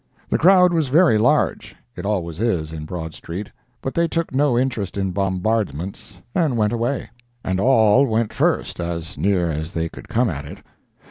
The crowd was very large—it always is in Broadstreet—but they took no interest in bombardments, and went away—and all went first, as near as they could come at it.